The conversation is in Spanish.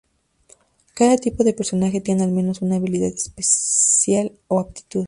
Cada tipo de personaje tiene al menos una habilidad especial o aptitud.